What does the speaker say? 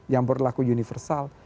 yang berlaku universal